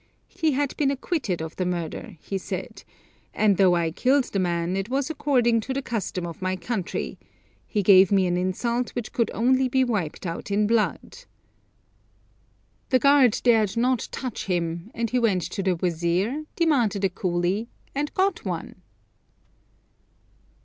He had been acquitted of the murder, he said, 'and though I killed the man, it was according to the custom of my country he gave me an insult which could only be wiped out in blood!' The guard dared not touch him, and he went to the wazir, demanded a coolie, and got one!